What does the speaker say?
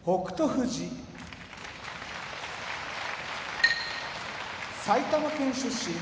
富士埼玉県出身